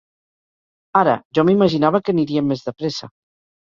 Ara, jo m’imaginava que aniríem més de pressa.